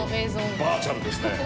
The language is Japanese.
バーチャルですね。